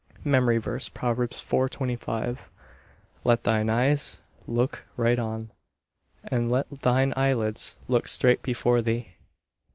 MEMORY VERSE, Proverbs 4: 25 "Let thine eyes look right on, and let thine eyelids look straight before thee."